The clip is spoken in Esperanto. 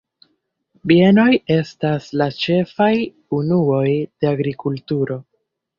Bienoj estas la ĉefaj unuoj de agrikulturo.